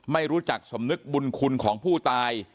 ไม่รู้จักสำนึกบุญคุณของผู้ตาย